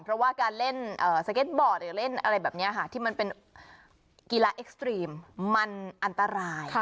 เพราะว่าการเล่นสเก็ตบอร์ดหรือเล่นอะไรแบบนี้ค่ะที่มันเป็นกีฬาเอ็กซ์ตรีมมันอันตราย